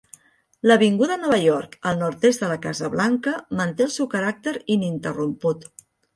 L'avinguda Nova York al nord-est de la Casa Blanca manté el seu caràcter ininterromput.